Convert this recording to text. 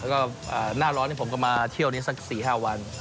แล้วก็หน้าร้อนผมก็มาเที่ยวนี้สัก๔๕วัน